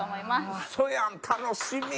ウソやん楽しみ！